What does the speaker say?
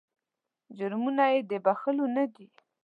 جرمونه یې د بخښلو نه دي.